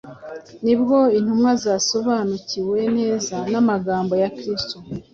Nibwo intumwa zasobanukiwe neza n’amagambo ya Kristo,